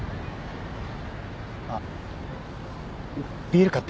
あっビール買ってきます。